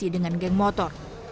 dan berpengaruh dengan geng motor